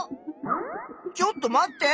ちょっと待って！